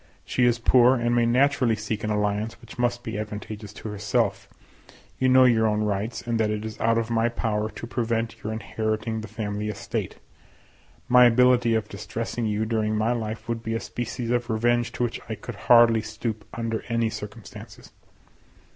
She is poor, and may naturally seek an alliance which must be advantageous to herself; you know your own rights, and that it is out of my power to prevent your inheriting the family estate. My ability of distressing you during my life would be a species of revenge to which I could hardly stoop under any circumstances.